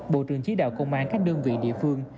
bộ trưởng chỉ đạo công an các đơn vị địa phương